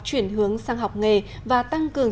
chuyển hướng sang học nghề và tăng cường